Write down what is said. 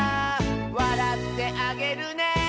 「わらってあげるね」